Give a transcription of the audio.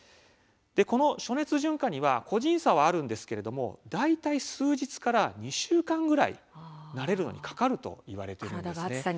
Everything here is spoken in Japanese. この暑熱順化は個人差はあるんですが大体数日から２週間ぐらい慣れるのにかかるということです。